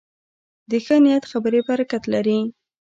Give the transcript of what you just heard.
د ښه نیت خبرې برکت لري